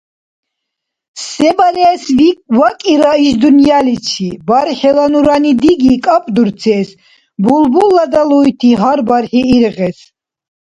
Се барес вакӏира иш дунъяличи? Берхӏила нурани диги кӏапӏдурцес, Булбулла далуйти гьар бархӏи иргъес,